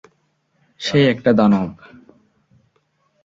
সে একটা দানব!